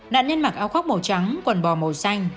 nạn nhân mặc áo khoác màu trắng quần bò màu xanh